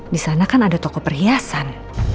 di sana kan ada toko perhiasan